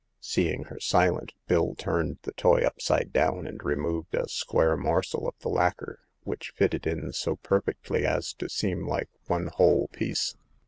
Seeing her silent, Bill turned the toy upside down, and re moved a square morsel of the lacquer, which fitted in so perfectly as to seem like one whole piece.